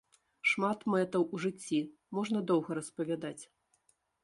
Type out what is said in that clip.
Шмат мэтаў у жыцці, можна доўга распавядаць.